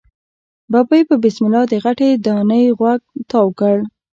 ببۍ په بسم الله د غټې دانی غوږ تاو کړ.